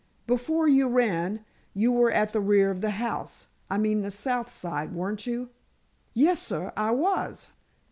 "Before you ran, you were at the rear of the house—I mean the south side, weren't you?" "Yes, sor, I was."